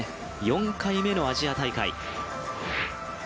４回目のアジア大会。